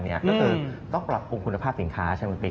ก็คือต้องปรับปรุงคุณภาพสินค้าใช่ไหมคุณปิ